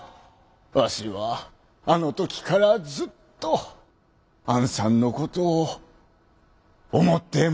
わしはあの時からずっとあんさんのことを思ってましたんやで。